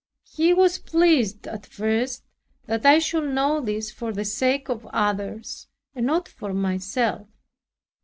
He was pleased at first that I should know this for the sake of others and not for myself.